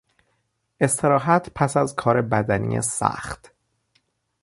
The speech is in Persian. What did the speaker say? استراحت پس از کار بدنی سخت